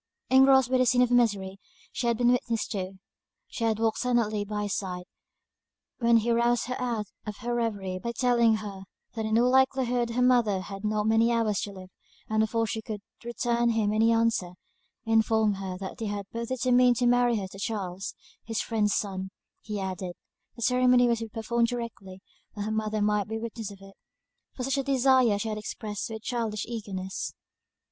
Engrossed by the scene of misery she had been witness to, she walked silently by his side, when he roused her out of her reverie by telling her that in all likelihood her mother had not many hours to live; and before she could return him any answer, informed her that they had both determined to marry her to Charles, his friend's son; he added, the ceremony was to be performed directly, that her mother might be witness of it; for such a desire she had expressed with childish eagerness.